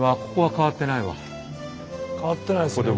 変わってないですね。